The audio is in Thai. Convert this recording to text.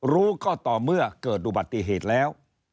รู้ก็ต่อเมื่อเกิดอุบัติเหตุแล้ว